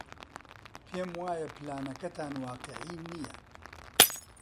پێم وایە پلانەکەتان واقیعی نییە.